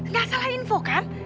gak salah info kan